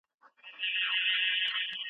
مذهبي عقايدو پر ټولنه لوی نفوذ درلود.